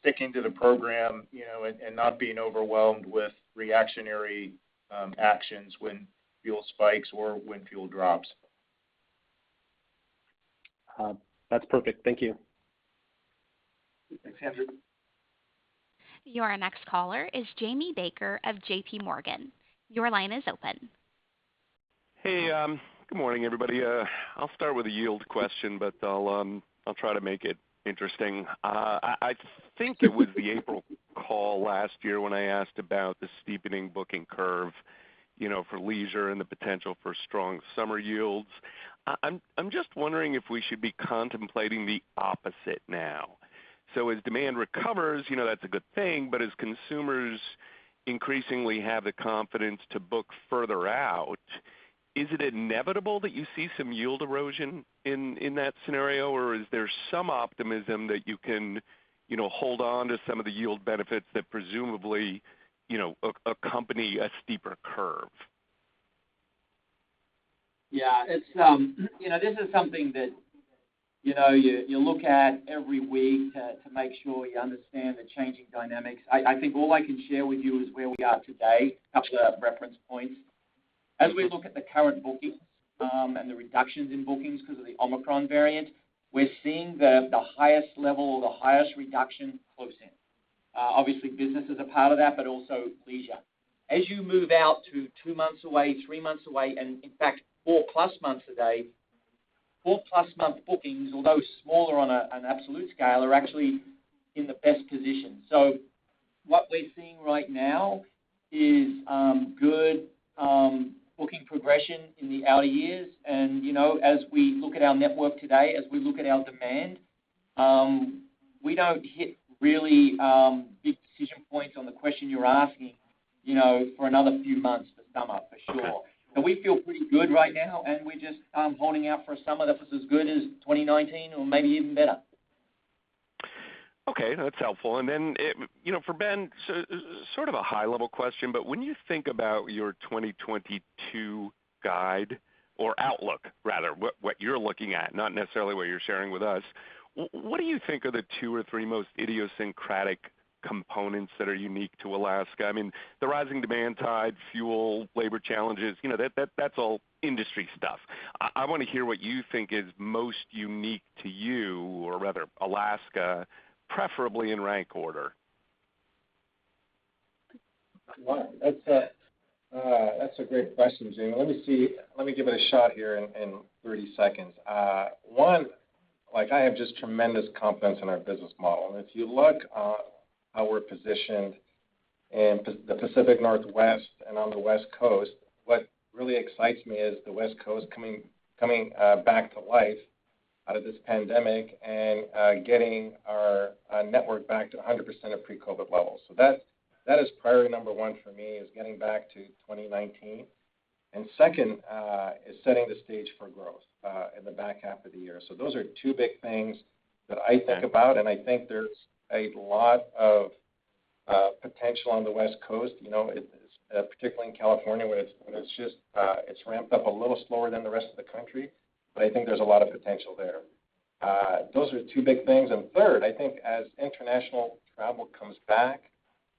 sticking to the program, you know, and not being overwhelmed with reactionary actions when fuel spikes or when fuel drops. That's perfect. Thank you. Thanks, Andrew. Your next caller is Jamie Baker of JPMorgan. Your line is open. Hey. Good morning, everybody. I'll start with a yield question, but I'll try to make it interesting. I think it was the April call last year when I asked about the steepening booking curve, you know, for leisure and the potential for strong summer yields. I'm just wondering if we should be contemplating the opposite now. As demand recovers, you know, that's a good thing, but as consumers increasingly have the confidence to book further out, is it inevitable that you see some yield erosion in that scenario? Is there some optimism that you can, you know, hold on to some of the yield benefits that presumably, you know, accompany a steeper curve? Yeah. It's you know, this is something that you know, you look at every week to make sure you understand the changing dynamics. I think all I can share with you is where we are today, a couple of reference points. As we look at the current bookings and the reductions in bookings because of the Omicron variant, we're seeing the highest level or the highest reduction close in. Obviously business is a part of that, but also leisure. As you move out to two months away, three months away, and in fact, four-plus months away, four-plus-month bookings, although smaller on an absolute scale, are actually in the best position. What we're seeing right now is good booking progression in the outer years. You know, as we look at our network today, as we look at our demand, we don't hit really big decision points on the question you're asking, you know, for another few months for summer for sure. Okay. We feel pretty good right now, and we're just holding out for a summer that was as good as 2019 or maybe even better. Okay. That's helpful. You know, for Ben, sort of a high-level question, but when you think about your 2022 guide or outlook rather, what you're looking at, not necessarily what you're sharing with us, what do you think are the two or three most idiosyncratic components that are unique to Alaska? I mean, the rising demand tide, fuel, labor challenges, you know, that's all industry stuff. I wanna hear what you think is most unique to you or rather Alaska, preferably in rank order. Well, that's a great question, Jamie. Let me see. Let me give it a shot here in 30 seconds. One, like I have just tremendous confidence in our business model. If you look, how we're positioned in the Pacific Northwest and on the West Coast, what really excites me is the West Coast coming back to life out of this pandemic and getting our network back to 100% of pre-COVID levels. That's priority number one for me is getting back to 2019. Second is setting the stage for growth in the back half of the year. Those are two big things that I think about, and I think there's a lot of potential on the West Coast. You know, particularly in California where it's just ramped up a little slower than the rest of the country, but I think there's a lot of potential there. Those are two big things. Third, I think as international travel comes back,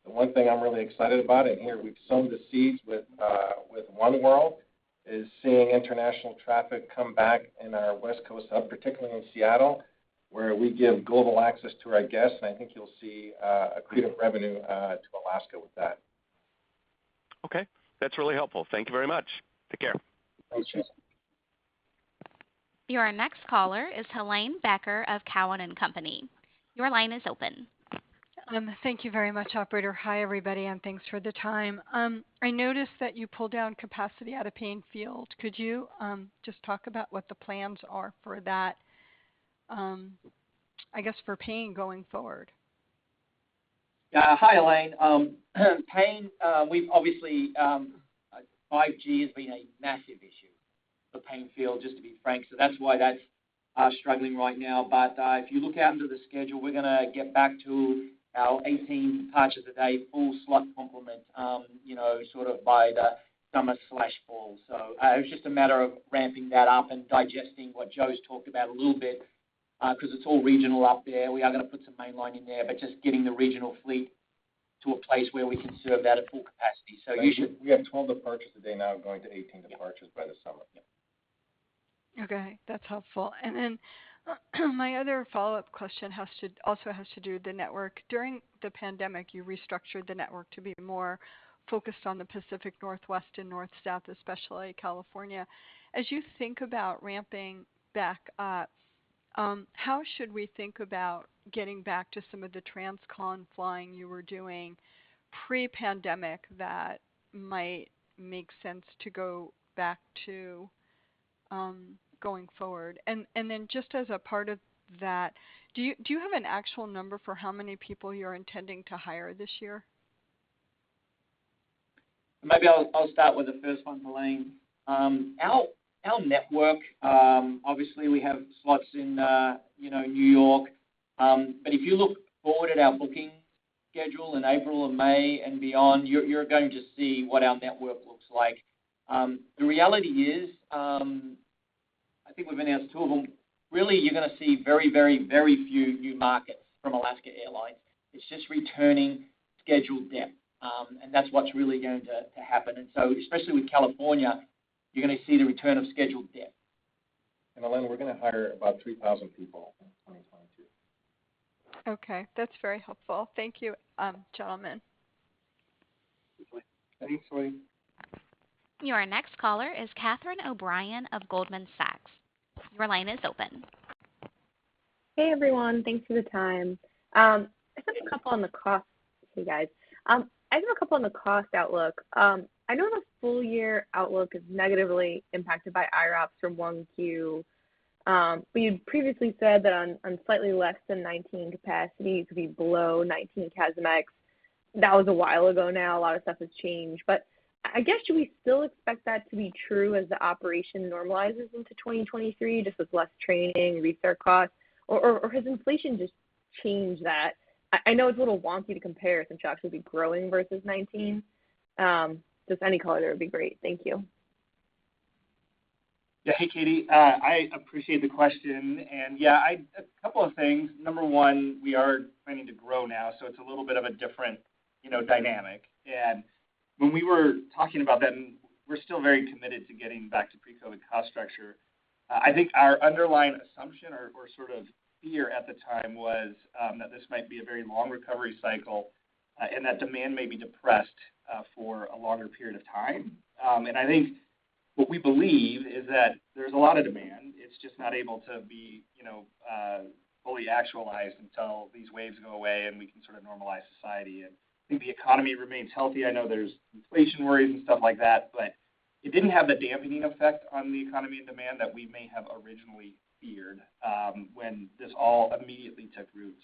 the one thing I'm really excited about, and here we've sown the seeds with oneworld, is seeing international traffic come back in our West Coast hub, particularly in Seattle, where we give global access to our guests, and I think you'll see accretive revenue to Alaska with that. Okay. That's really helpful. Thank you very much. Take care. Thanks, Jamie. Your next caller is Helane Becker of Cowen and Company. Your line is open. Thank you very much, operator. Hi, everybody, and thanks for the time. I noticed that you pulled down capacity out of Paine Field. Could you just talk about what the plans are for that, I guess for Paine going forward? Hi, Helane. Paine, we've obviously 5G has been a massive issue for Paine Field, just to be frank, so that's why it's struggling right now. If you look out into the schedule, we're gonna get back to our 18 departures a day full slot complement, you know, sort of by the summer/fall. It's just a matter of ramping that up and digesting what Joe's talked about a little bit, because it's all regional up there. We are gonna put some mainline in there, but just getting the regional fleet to a place where we can serve that at full capacity. Usually- We have 12 departures a day now going to 18 departures by the summer. Okay. That's helpful. My other follow-up question has to do with the network. During the pandemic, you restructured the network to be more focused on the Pacific Northwest and north-south, especially California. As you think about ramping back up, how should we think about getting back to some of the transcon flying you were doing pre-pandemic that might make sense to go back to, going forward? Just as a part of that, do you have an actual number for how many people you're intending to hire this year? Maybe I'll start with the first one, Helane. Our network, obviously we have slots in, you know, New York. If you look forward at our bookings scheduled in April or May and beyond, you're going to see what our network looks like. The reality is, I think we've been asked two of them. Really, you're gonna see very few new markets from Alaska Airlines. It's just returning scheduled seat. That's what's really going to happen. Especially with California, you're gonna see the return of scheduled seat. Helane, we're gonna hire about 3,000 people in 2022. Okay. That's very helpful. Thank you, gentlemen. Thanks, Helane. Your next caller is Catherine O'Brien of Goldman Sachs. Your line is open. Hey, everyone. Thanks for the time. I just have a couple on the cost for you guys. I have a couple on the cost outlook. I know the full year outlook is negatively impacted by IROPS from Q1, but you'd previously said that on slightly less than 19 capacity, it could be below 19 CASM-ex. That was a while ago now, a lot of stuff has changed, but I guess should we still expect that to be true as the operation normalizes into 2023, just with less training and refare costs, or has inflation just changed that? I know it's a little wonky to compare since y'all should be growing versus 19. Just any color there would be great. Thank you. Yeah. Hey, Catie. I appreciate the question. Yeah, a couple of things. Number one, we are planning to grow now, so it's a little bit of a different, you know, dynamic. When we were talking about that, we're still very committed to getting back to pre-COVID cost structure. I think our underlying assumption or sort of fear at the time was that this might be a very long recovery cycle and that demand may be depressed for a longer period of time. I think what we believe is that there's a lot of demand. It's just not able to be, you know, fully actualized until these waves go away and we can sort of normalize society. I think the economy remains healthy. I know there's inflation worries and stuff like that, but it didn't have the dampening effect on the economy and demand that we may have originally feared, when this all immediately took root.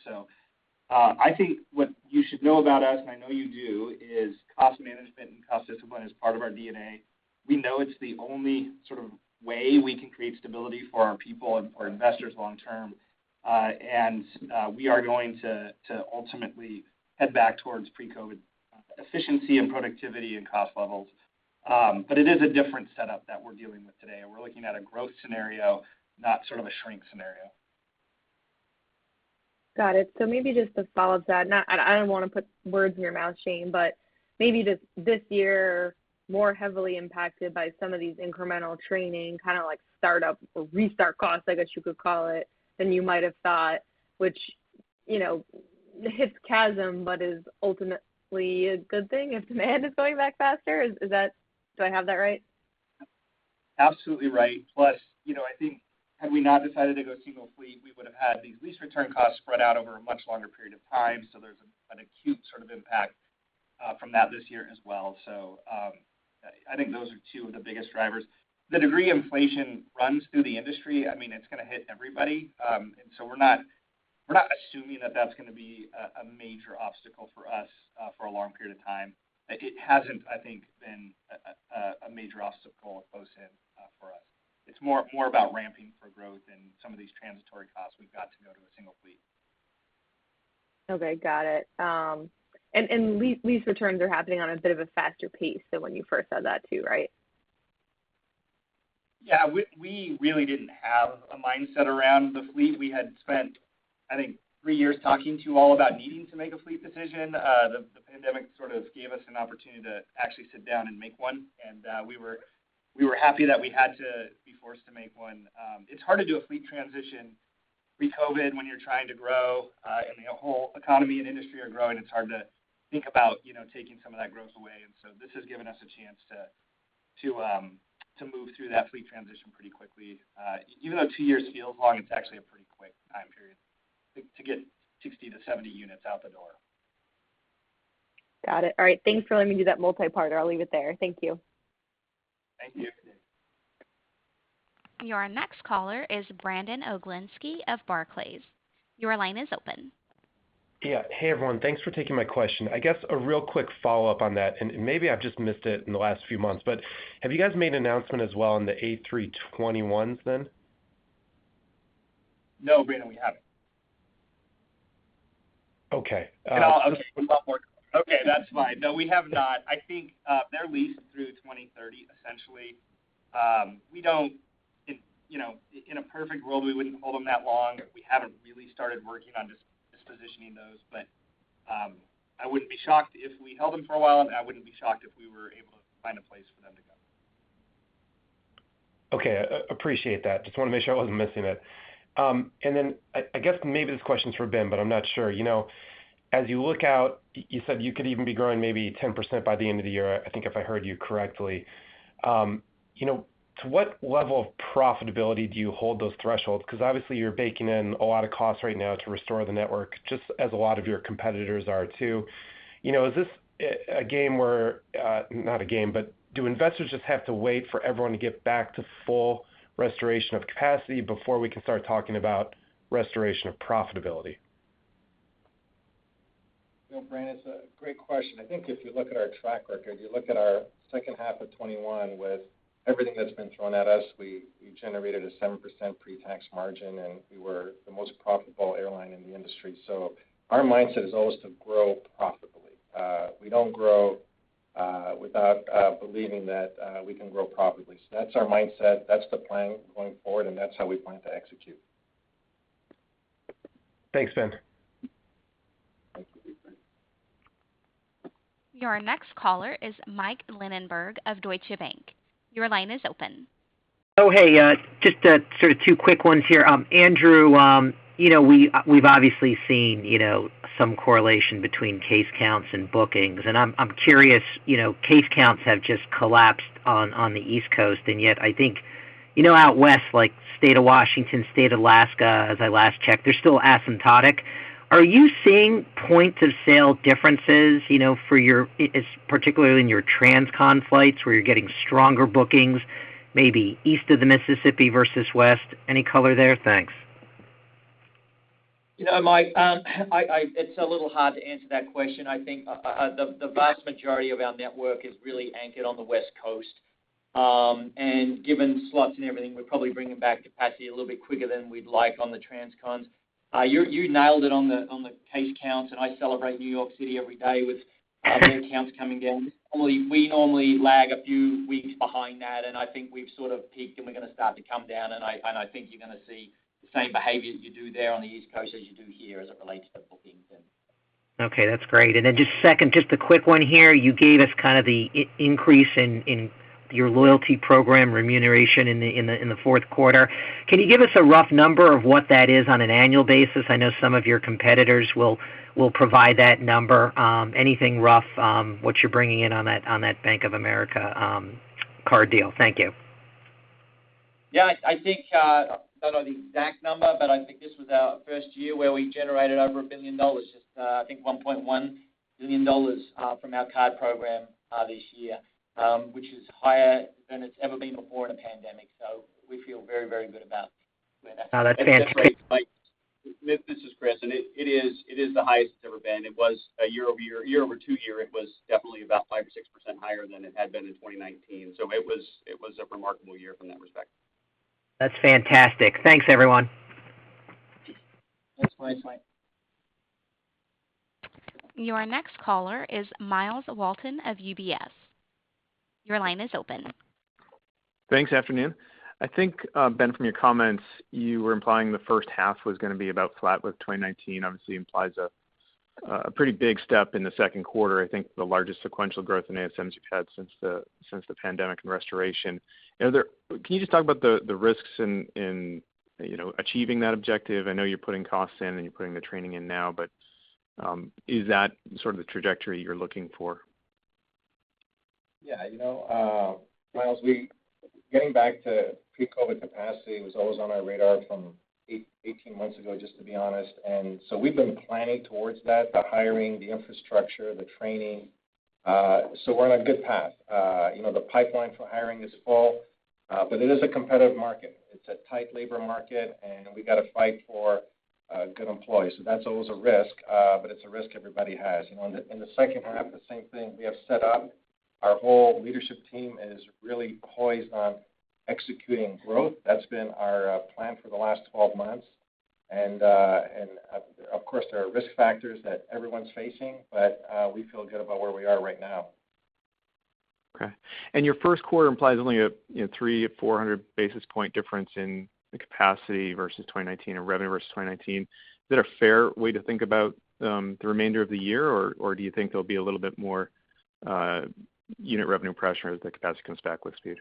I think what you should know about us, and I know you do, is cost management and cost discipline is part of our DNA. We know it's the only sort of way we can create stability for our people and for investors long term. We are going to ultimately head back towards pre-COVID efficiency and productivity and cost levels. It is a different setup that we're dealing with today, and we're looking at a growth scenario, not sort of a shrink scenario. Got it. Maybe just to follow up that and I don't wanna put words in your mouth, Shane, but maybe just this year, more heavily impacted by some of these incremental training, kinda like startup or restart costs, I guess, you could call it, than you might have thought, which, you know, hits CASM, but is ultimately a good thing if demand is going back faster. Is that? Do I have that right? Absolutely right. Plus, you know, I think had we not decided to go single fleet, we would've had these lease return costs spread out over a much longer period of time. There's an acute sort of impact from that this year as well. I think those are two of the biggest drivers. The degree inflation runs through the industry, I mean, it's gonna hit everybody. We're not assuming that that's gonna be a major obstacle for us for a long period of time. It hasn't, I think, been a major obstacle post-COVID for us. It's more about ramping for growth and some of these transitory costs we've got to go to a single fleet. Okay, got it. Lease returns are happening on a bit of a faster pace than when you first said that too, right? Yeah. We really didn't have a mindset around the fleet. We had spent, I think, three years talking to you all about needing to make a fleet decision. The pandemic sort of gave us an opportunity to actually sit down and make one, and we were happy that we had to be forced to make one. It's hard to do a fleet transition pre-COVID when you're trying to grow. The whole economy and industry are growing, it's hard to think about, you know, taking some of that growth away. This has given us a chance to move through that fleet transition pretty quickly. Even though two years feels long, it's actually a pretty quick time period to get 60-70 units out the door. Got it. All right. Thanks for letting me do that multi-part. I'll leave it there. Thank you. Thank you. Your next caller is Brandon Oglenski of Barclays. Your line is open. Yeah. Hey, everyone. Thanks for taking my question. I guess a real quick follow-up on that, and maybe I've just missed it in the last few months, but have you guys made an announcement as well on the A321s then? No, Brandon, we haven't. Okay. I'll stop more. Okay, that's fine. No, we have not. I think, they're leased through 2030, essentially. We don't, you know, in a perfect world, we wouldn't hold them that long. We haven't really started working on dispositioning those. I wouldn't be shocked if we held them for a while, and I wouldn't be shocked if we were able to find a place for them to go. Okay. I appreciate that. Just wanna make sure I wasn't missing it. I guess maybe this question's for Ben, but I'm not sure. You know, as you look out, you said you could even be growing maybe 10% by the end of the year, I think if I heard you correctly. You know, to what level of profitability do you hold those thresholds? 'Cause obviously you're baking in a lot of costs right now to restore the network, just as a lot of your competitors are too. You know, is this a game where not a game, but do investors just have to wait for everyone to get back to full restoration of capacity before we can start talking about restoration of profitability? No, Brandon, it's a great question. I think if you look at our track record, you look at our second half of 2021 with everything that's been thrown at us, we generated a 7% pretax margin, and we were the most profitable airline in the industry. Our mindset is always to grow profitably. We don't grow without believing that we can grow profitably. That's our mindset, that's the plan going forward, and that's how we plan to execute. Thanks, Ben. Thank you. Your next caller is Mike Linenberg of Deutsche Bank. Your line is open. Oh, hey. Just a sort of two quick ones here. Andrew, you know, we've obviously seen, you know, some correlation between case counts and bookings, and I'm curious, you know, case counts have just collapsed on the East Coast, and yet I think, you know out West, like the State of Washington, State of Alaska, as I last checked, they're still escalating. Are you seeing point of sale differences, you know, for your—as particularly in your transcon flights, where you're getting stronger bookings, maybe east of the Mississippi versus west? Any color there? Thanks. You know, Mike, it's a little hard to answer that question. I think the vast majority of our network is really anchored on the West Coast. Given slots and everything, we're probably bringing back capacity a little bit quicker than we'd like on the transcons. You nailed it on the case counts, and I celebrate New York City every day with their counts coming down. Only we normally lag a few weeks behind that, and I think we've sort of peaked, and we're gonna start to come down. I think you're gonna see the same behavior that you do there on the East Coast as you do here as it relates to bookings. Okay, that's great. Just a second, just a quick one here. You gave us kind of the increase in your loyalty program remuneration in the fourth quarter. Can you give us a rough number of what that is on an annual basis? I know some of your competitors will provide that number. Anything rough, what you're bringing in on that Bank of America card deal? Thank you. I think I don't know the exact number, but I think this was our first year where we generated over $1 billion, just I think $1.1 billion from our card program this year, which is higher than it's ever been before in a pandemic. We feel very, very good about where that's at. Oh, that's fantastic. This is Chris, and it is the highest it's ever been. It was year-over-two-year, it was definitely about 5% or 6% higher than it had been in 2019. It was a remarkable year in that respect. That's fantastic. Thanks, everyone. Thanks, Mike. Your next caller is Myles Walton of UBS. Your line is open. Thanks. Afternoon. I think, Ben, from your comments, you were implying the first half was gonna be about flat with 2019. Obviously implies a pretty big step in the second quarter, I think the largest sequential growth in ASMs you've had since the pandemic and restoration. Can you just talk about the risks in, you know, achieving that objective? I know you're putting costs in and you're putting the training in now, but is that sort of the trajectory you're looking for? Yeah, you know, Myles, getting back to pre-COVID capacity was always on our radar from 8-18 months ago, just to be honest. We've been planning towards that, the hiring, the infrastructure, the training, so we're on a good path. You know, the pipeline for hiring is full, but it is a competitive market. It's a tight labor market, and we've got to fight for good employees, so that's always a risk, but it's a risk everybody has. You know, in the second half, the same thing. We have set up our whole leadership team is really poised on executing growth. That's been our plan for the last 12 months. Of course, there are risk factors that everyone's facing, but we feel good about where we are right now. Okay. Your first quarter implies only a, you know, 300 basis points-400 basis points difference in the capacity versus 2019 and revenue versus 2019. Is that a fair way to think about the remainder of the year, or do you think there'll be a little bit more unit revenue pressure as the capacity comes back with speed?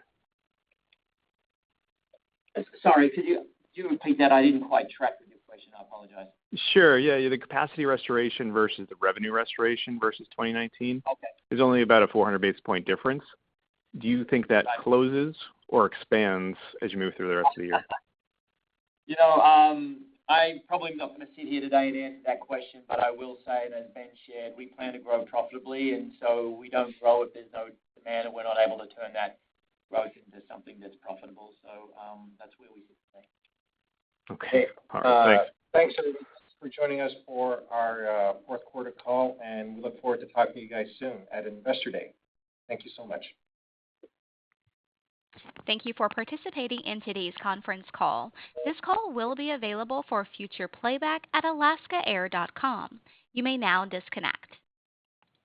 Sorry, could you repeat that? I didn't quite track with your question. I apologize. Sure. Yeah. The capacity restoration versus the revenue restoration versus 2019. Okay. There's only about a 400 basis point difference. Do you think that closes or expands as you move through the rest of the year? You know, I'm probably not gonna sit here today and answer that question, but I will say that as Ben shared, we plan to grow profitably, and so we don't grow if there's no demand and we're not able to turn that growth into something that's profitable. That's where we sit today. Okay. All right. Thanks. Thanks, everyone, for joining us for our fourth quarter call, and we look forward to talking to you guys soon at Investor Day. Thank you so much. Thank you for participating in today's conference call. This call will be available for future playback at alaskaair.com. You may now disconnect.